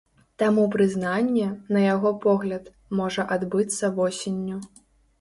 Таму прызнанне, на яго погляд, можа адбыцца восенню.